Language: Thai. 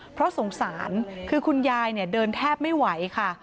เพราะสงสารคือคุณยายเนี่ยเดินแทบไม่ไหวค่ะ